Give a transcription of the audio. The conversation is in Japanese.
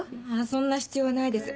そんな必要ないです。